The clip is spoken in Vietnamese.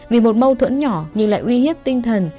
vì một mâu thuẫn nhỏ nhưng lại uy hiếp tinh thần